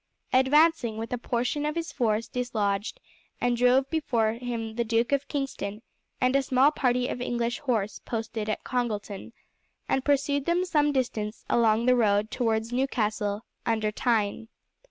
Advancing with a portion of his force he dislodged and drove before him the Duke of Kingston and a small party of English horse posted at Congleton, and pursued them some distance along the road towards Newcastle under Tyne.